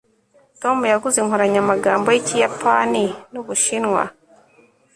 tom yaguze inkoranyamagambo y'ikiyapani n'ubushinwa